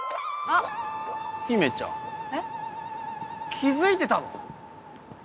気付いてたの？